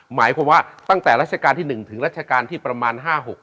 หมายความว่าตั้งแต่รัชกาลที่๑ถึงรัชกาลที่ประมาณ๕๖